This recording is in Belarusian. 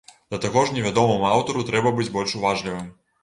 Да таго ж невядомаму аўтару трэба быць больш уважлівым.